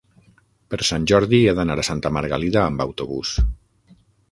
Per Sant Jordi he d'anar a Santa Margalida amb autobús.